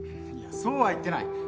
いやそうは言ってない。